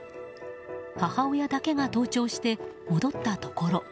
母親だけが登頂して戻ったところ